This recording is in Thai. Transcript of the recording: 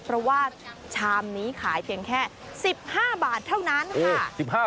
เพราะว่าชามนี้ขายเพียงแค่๑๕บาทเท่านั้นค่ะ